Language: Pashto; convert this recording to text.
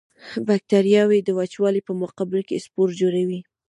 بکټریاوې د وچوالي په مقابل کې سپور جوړوي.